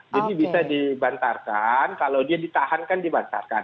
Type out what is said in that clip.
jadi bisa dibantarkan kalau dia ditahankan dibantarkan